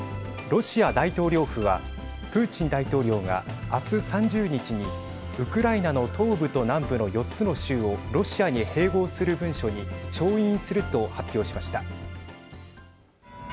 ロシア大統領府はプーチン大統領が明日３０日にウクライナの東部と南部の４つの州をロシアに併合する文書に調印すると発表しました。